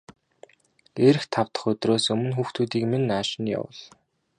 Ирэх тав дахь өдрөөс өмнө хүүхдүүдийг минь нааш нь явуул.